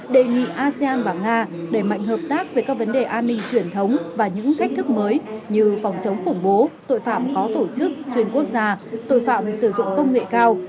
đề nghị asean và nga đẩy mạnh hợp tác về các vấn đề an ninh truyền thống và những thách thức mới như phòng chống khủng bố tội phạm có tổ chức xuyên quốc gia tội phạm sử dụng công nghệ cao